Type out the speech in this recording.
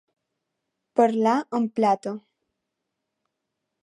Parlar en plata.